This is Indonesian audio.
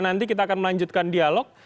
nanti kita akan melanjutkan dialog